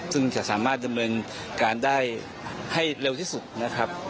ซึ่งจะสามารถดำเนินการได้ให้เร็วที่สุดนะครับ